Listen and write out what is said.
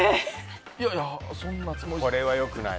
いやいや、そんなつもりはって。